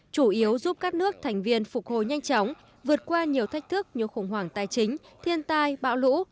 chủ yếu giúp các nước thành viên phục hồi nhanh chóng vượt qua nhiều thách thức như khủng hoảng tài trình